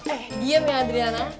eh diam ya adriana